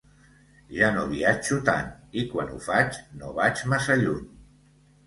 Ja no viatjo tant i quan ho faig, no vaig massa lluny.